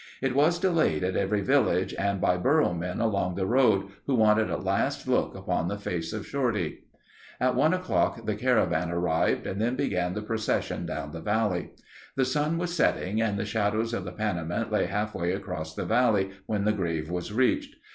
It was delayed at every village and by burro men along the road, who wanted a last look upon the face of Shorty. At one o'clock the caravan arrived and then began the procession down the valley. The sun was setting and the shadows of the Panamint lay halfway across the valley when the grave was reached.